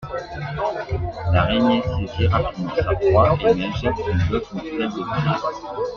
L'araignée saisit rapidement sa proie, et lui injecte une dose mortelle de venin.